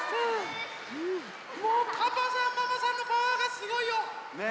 もうパパさんママさんのパワーがすごいよ。ね！